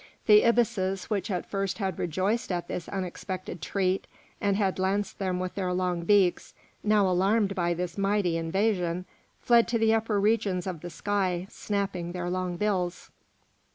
The ibises, which at first had rejoiced at this unexpected treat, and had lanced them with their long beaks, now alarmed by this mighty invasion fled to the upper regions of the sky, snapping their long bills.